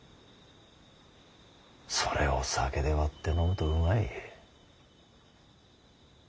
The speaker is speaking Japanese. それを酒で割って飲むとうまい。